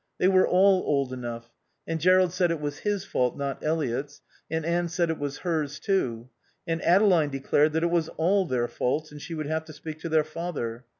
They were all old enough. And Jerrold said it was his fault, not Eliot's, and Anne said it was hers, too. And Adeline declared that it was all their faults and she would have to speak to their father.